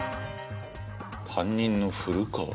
担任の古川？